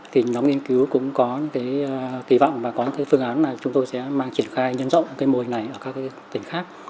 thì đóng nghiên cứu cũng có kỳ vọng và có phương án là chúng tôi sẽ mang triển khai nhân rộng môi này ở các tỉnh khác